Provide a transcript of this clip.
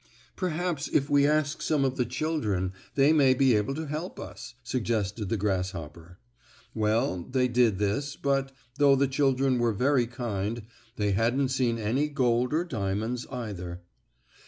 "Perhaps if we ask some of the children they may be able to help us," suggested the grasshopper. Well, they did this, but, though the children were very kind, they hadn't seen any gold or diamonds, either.